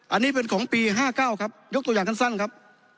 อันนี้เป็นของปีห้าเก้าครับยกตัวอย่างกันสั้นครับ